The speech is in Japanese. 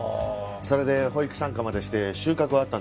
それで保育参加までして収穫はあったんですか？